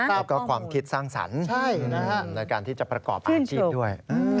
แล้วก็ความคิดสร้างสรรค์ในการที่จะประกอบอาชีพด้วย